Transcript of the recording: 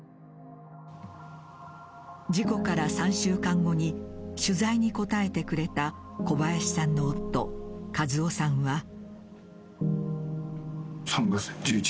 事故から３週間後に取材に答えてくれた小林さんの夫・一雄さんは。